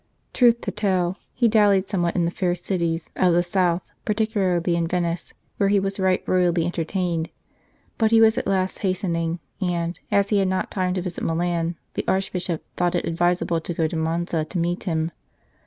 Truth to tell, he dallied somewhat in the fair cities of the South, particularly in Venice, where he was right royally entertained ; but he was at last hastening, and, as he had not time to visit Milan, the Archbishop thought it advisable to go to Monza to meet him.